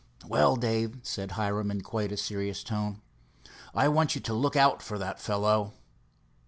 "Well, Dave," said Hiram in quite a serious tone, "I want you to look out for that fellow."